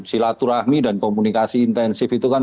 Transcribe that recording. silaturahmi dan komunikasi intensif itu kan